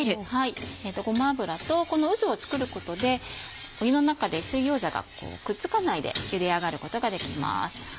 ごま油とこの渦を作ることで湯の中で水餃子がくっつかないでゆで上がることができます。